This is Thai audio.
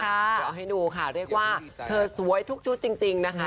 เดี๋ยวให้ดูค่ะเรียกว่าเธอสวยทุกชุดจริงนะคะ